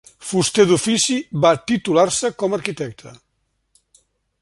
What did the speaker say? Fuster d'ofici, va titular-se com arquitecte.